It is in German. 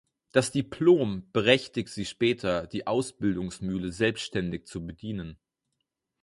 Das Diplom berechtigt sie später, die Ausbildungs-Mühle selbständig zu bedienen.